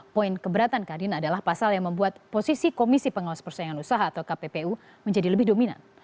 poin keberatan kadin adalah pasal yang membuat posisi komisi pengawas persaingan usaha atau kppu menjadi lebih dominan